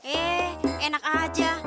eh enak aja